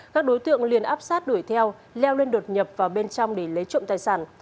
các đối tượng liền áp sát đuổi theo leo lên đột nhập vào bên trong để lấy trộm tài sản